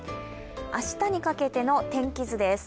明日にかけての天気図です。